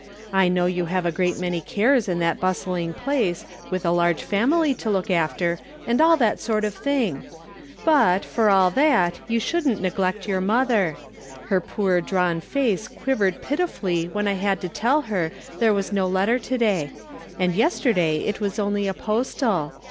I know you have a great many cares in that bustling place, with a large family to look after, and all that sort of thing ! But, for all that, you shouldn't neglect your mother. Her poor drawn face qiiivered pitifully when I had to tell her there was no letter to day ; and yesterday it was only a postal.